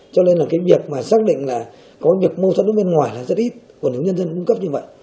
cho nên là cái việc mà xác định là có việc mâu thuẫn ở bên ngoài là rất ít của những nhân dân cung cấp như vậy